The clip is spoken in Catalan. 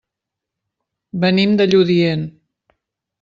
Venim de Lludient.